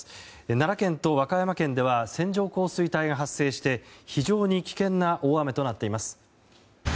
奈良県と和歌山県では線状降水帯が発生して非常に危険な大雨となっています。